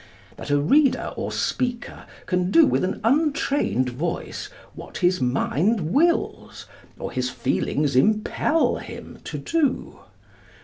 That a reader or speaker can do with an untrained voice what his mind wills, or his feelings impel him, to do.